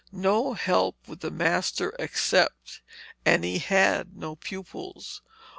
No help would the master accept, and he had no pupils.